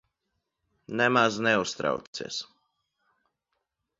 Nemaz neuztraucies.